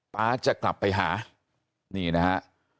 ป๊าจะกลับไปหานี่นะฮะ